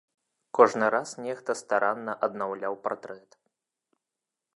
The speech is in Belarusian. Кожны раз нехта старанна аднаўляў партрэт.